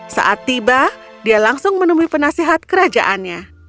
saat tiba dia langsung menemui penasehat kerajaannya